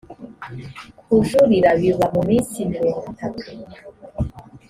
kujurira biba mu minsi mirongo itatu